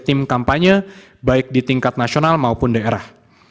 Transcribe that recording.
dan memimpin kampanye baik di tingkat nasional maupun daerah